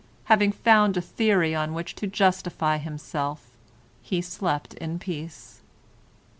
Having found a theory on which to justify himself, he slept in peace.